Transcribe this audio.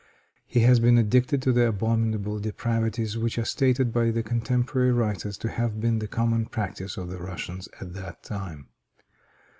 He was even addicted to abominable depravities, which are stated by contemporary writers to have been the common practice of the Russians at that time.